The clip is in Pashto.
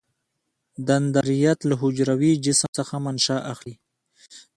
دندرایت له حجروي جسم څخه منشا اخلي.